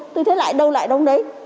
tôi thấy lại đâu lại đâu đấy